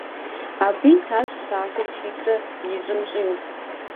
Абы итащ псалъэу щитӏрэ ищӏым щӏигъу.